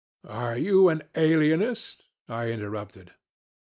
.' 'Are you an alienist?' I interrupted.